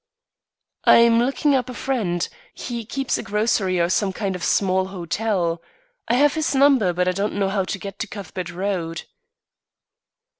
"I'm looking up a friend. He keeps a grocery or some kind of small hotel. I have his number, but I don't know how to get to Cuthbert Road."